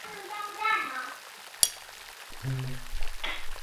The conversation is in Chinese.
辩方以为理据为卓良豪辩护。